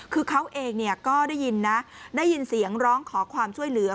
คือเขาเองก็ได้ยินนะได้ยินเสียงร้องขอความช่วยเหลือ